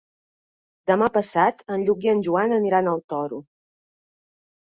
Demà passat en Lluc i en Joan aniran al Toro.